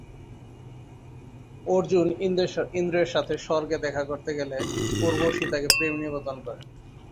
অর্জুন ইন্দ্রের সাথে স্বর্গে দেখা করতে গেলে উর্বশী তাকে প্রেম নিবেদন করেন।